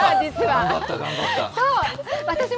頑張った、頑張った。